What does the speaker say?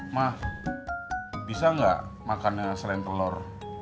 ma bisa gak makannya selain telur